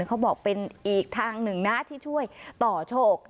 เขาบอกเป็นอีกทางหนึ่งนะที่ช่วยต่อโชค